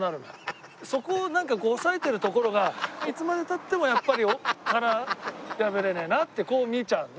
そこをなんか抑えてるところがいつまで経ってもやっぱり殻破れねえなってこう見えちゃうのね